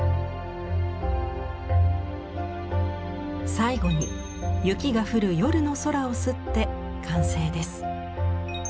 最後に雪が降る夜の空を摺って完成です。